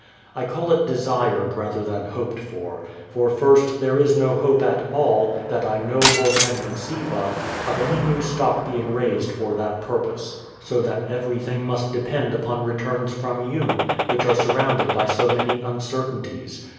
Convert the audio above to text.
I call it desired, rather than hoped for : for first, there is no hope at all, that I know or can conceive of, of any new stock being raised for that purpose; so that ever>i:hing must depend upon returns from you, which are surrounded by so many uncertainties.